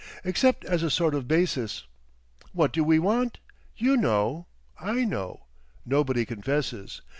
Except as a sort of basis. What do we want? You know. I know. Nobody confesses.